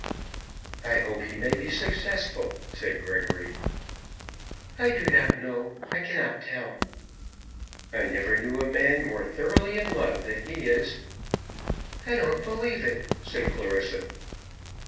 "I hope he may be successful," said Gregory. "I do not know. I cannot tell." "I never knew a man more thoroughly in love than he is." "I don't believe it," said Clarissa.